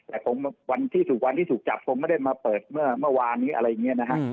แต่วันที่สุดวันที่สุดจับผมไม่ได้มาเปิดเมื่อเมื่อวานอะไรอย่างเงี้ยนะฮะ